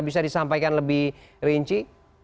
bisa disampaikan lebih rinci